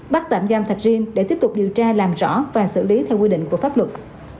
bắt tạm giam thạch riêng để tiếp tục điều tra làm rõ và xử lý theo quy định của pháp luật